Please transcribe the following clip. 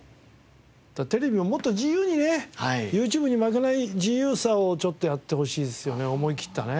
だからテレビももっと自由にねＹｏｕＴｕｂｅに負けない自由さをちょっとやってほしいですよね思い切ったね。